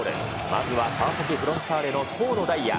まずは川崎フロンターレの、遠野大弥。